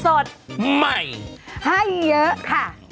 สดใหญ่เยอะค่ะ